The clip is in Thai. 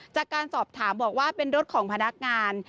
จากการสอบถามบอกว่าเป็นรถของพนักงาน